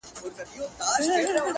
• کله کله پر خپل ځای باندي درېږي ,